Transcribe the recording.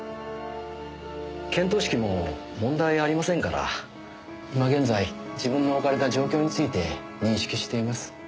見当識も問題ありませんから今現在自分のおかれた状況について認識しています。